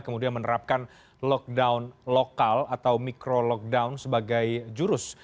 kemudian menerapkan lockdown lokal atau micro lockdown sebagai jurus